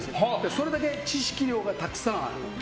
それだけ知識量がたくさんある。